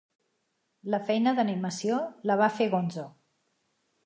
La feina d'animació la va fer Gonzo.